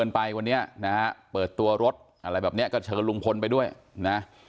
เปิดตัวรถอะไรแบบนี้ก็เชิญลุงพลไปด้วยนะ